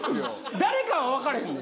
誰かは分からへんねん。